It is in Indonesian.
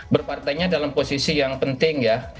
berpartainya dalam posisi yang penting ya